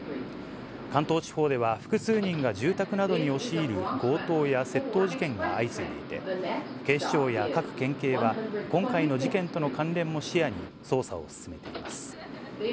関東地方では、複数人が住宅などに押し入る強盗や窃盗事件が相次いでいて、警視庁や各県警は、今回の事件との関連も視野に、捜査を進めています。